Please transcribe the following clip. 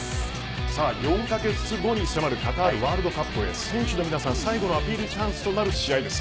４カ月後に迫るカタールワードカップ選手が皆さん最後のアピールチャンスとなる試合です。